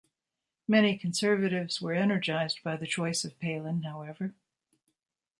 Many conservatives were energized by the choice of Palin, however.